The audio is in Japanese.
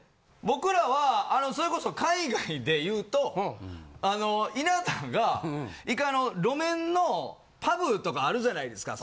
僕らはそれこそ海外でいうと稲田が１回あの。とかあるじゃないですか。